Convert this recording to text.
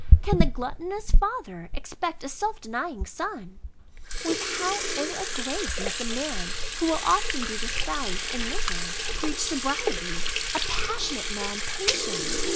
Can the gluttonous father expect a self denying son? With how ill a grace must a man who will often be disguised in liquor, preach sobriety? a passionate man, patience?